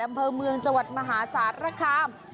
อำเภอเมืองจังหวัดมหาศาสตร์รัฐคาม